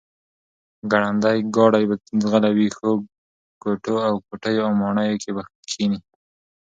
ګړندی ګاډی به ځغلوي، ښو کوټو او کوټیو او ماڼیو کې به کښېني،